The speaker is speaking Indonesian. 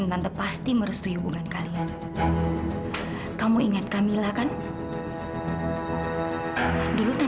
kafa dia bilang sama miram kak